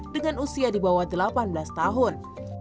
dengan usia di bawah delapan belas tahun